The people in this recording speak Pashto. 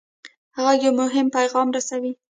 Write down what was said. غږ یو مهم پیغام رسوي.